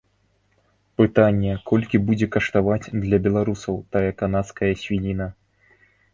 Пытанне, колькі будзе каштаваць для беларусаў тая канадская свініна.